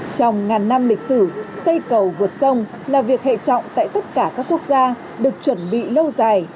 trong ngàn năm lịch sử xây cầu vượt sông là việc hệ trọng tại tất cả các quốc gia được chuẩn bị lâu dài